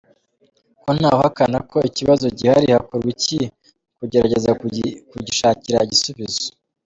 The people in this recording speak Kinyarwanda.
Ko ntawe uhakana ko ikibazo gihari, hakorwa iki mu kugerageza kugishakira igisubizo?.